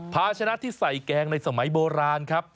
ภาชนะที่ใส่แกงในสมัยโบราณครับ